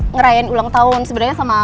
ngerayain ulang tahun sebenarnya sama